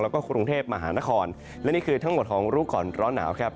แล้วก็กรุงเทพมหานครและนี่คือทั้งหมดของรู้ก่อนร้อนหนาวครับ